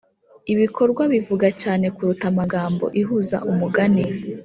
ibikorwa bivuga cyane kuruta amagambo ihuza umugani